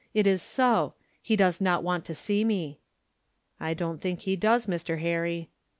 It is so. He does not want to see me." "I don't think he does, Mr. Harry."